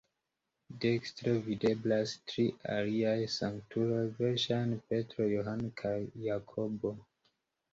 Dekstre videblas tri aliaj sanktuloj, verŝajne Petro, Johano kaj Jakobo.